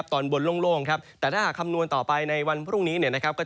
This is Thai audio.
ตอนบนโล่งโล่งถ้าหากคำนวณต่อไปในวันพรุ่งนี้